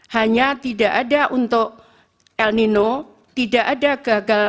hanya tidak ada untuk el nino tidak ada gagal